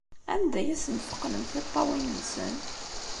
Anda ay asen-teqqnem tiṭṭawin-nsen?